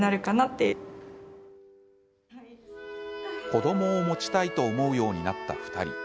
子どもを持ちたいと思うようになった２人。